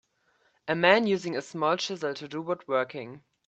A man using a small chisel to do woodworking.